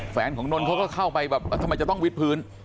แฟนของนนทเขาก็เข้าไปแบบทำไมจะต้องวิดพื้น